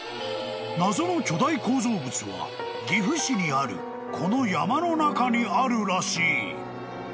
［謎の巨大構造物は岐阜市にあるこの山の中にあるらしい］